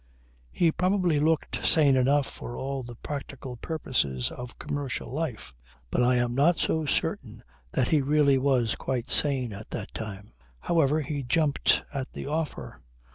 He probably looked sane enough for all the practical purposes of commercial life. But I am not so certain that he really was quite sane at that time. However, he jumped at the offer.